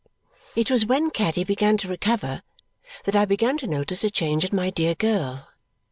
It was when Caddy began to recover that I began to notice a change in my dear girl.